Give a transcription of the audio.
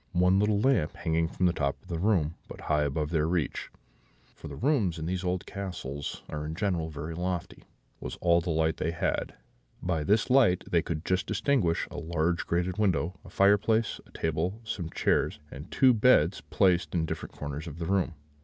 One little lamp, hanging from the top of the room, but high above their reach (for the rooms in those old castles are in general very lofty), was all the light they had: by this light they could just distinguish a large grated window, a fireplace, a table, some chairs, and two beds placed in different corners of the room.